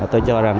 tôi cho rằng